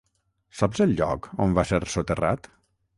Saps el lloc on va ser soterrat?